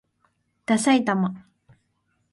ださいたま